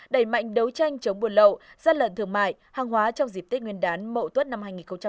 đẩy mạnh đấu tranh chống buôn lậu gian lận thương mại hàng hóa trong dịp tết nguyên đán mậu tuất năm hai nghìn hai mươi